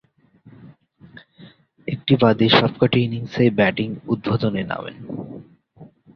একটি বাদে সবকটি ইনিংসেই ব্যাটিং উদ্বোধনে নামেন।